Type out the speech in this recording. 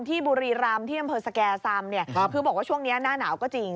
บุรีรำที่อำเภอสแก่ซำเนี่ยคือบอกว่าช่วงนี้หน้าหนาวก็จริง